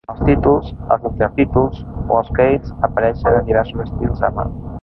Els títols, els intertítols o els crèdits apareixen en diversos estils a mà.